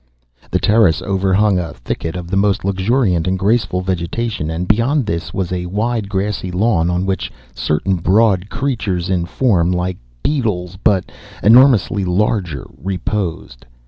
The terrace overhung a thicket of the most luxuriant and graceful vegetation, and beyond this was a wide grassy lawn on which certain broad creatures, in form like beetles but enormously larger, reposed.